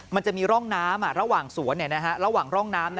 มันจะมีร่องน้ำระหว่างสวนระหว่างร่องน้ำ